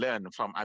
dari negara lain